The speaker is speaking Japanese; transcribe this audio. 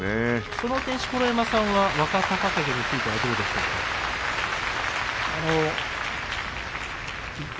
その点、錣山さんは若隆景についてはどうでしょうか。